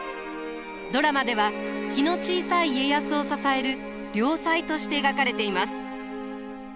ドラマでは気の小さい家康を支える良妻として描かれています。